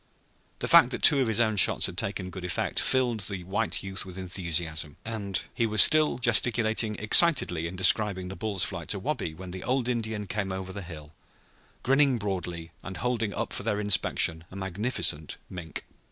The fact that two of his own shots had taken good effect filled the white youth with enthusiasm, and he was still gesticulating excitedly in describing the bull's flight to Wabi when the old Indian came over the hill, grinning broadly, and holding up for their inspection a magnificent mink.